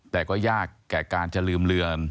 แต่ก็ยากแก่การจะลืมเรือน